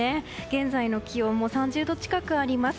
現在の気温も３０度近くあります。